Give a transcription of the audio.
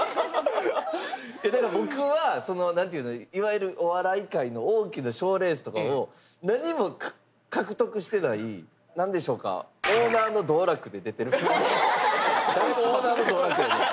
いやだから僕はその何ていうのいわゆるお笑い界の大きな賞レースとかを何も獲得してない何でしょうかオーナーの道楽で出てるプロ誰がオーナーの道楽やねん！